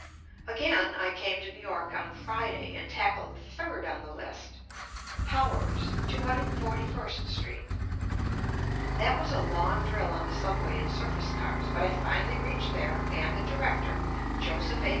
Again I came to New York on Friday and tackled the third on the list — Powers, 241st Street. That was a long drill on the subway and surface cars, but I finally reached there and the director, Joseph A.